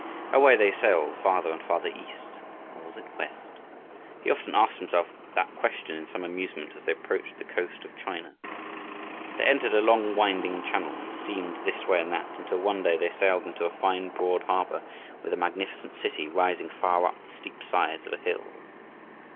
Away they sailed farther and farther east, or was it west? He often asked himself that question in some amusement as they approached the coast of China. They entered a long winding channel and steamed this way and that until one day they sailed into a fine broad harbor with a magnificent city rising far up the steep sides of a hill.